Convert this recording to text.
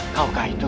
kau gak itu